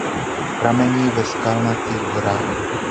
Pramení ve Skalnatých horách.